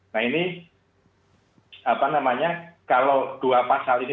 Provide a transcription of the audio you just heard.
nah ini apa namanya kalau dua pasal ini